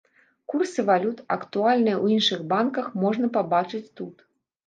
Курсы валют, актуальныя ў іншых банках можна пабачыць тут.